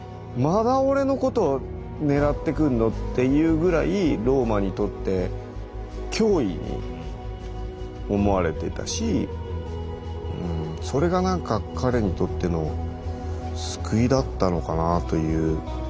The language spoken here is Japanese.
まだ俺のことを狙ってくんの？っていうぐらいローマにとって脅威に思われていたしそれがなんか彼にとっての救いだったのかなという。